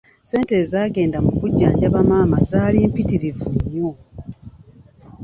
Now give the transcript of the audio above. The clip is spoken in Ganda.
Ssente ezaagenda mu kujjanjaba maama zaali mpitirivu nnyo.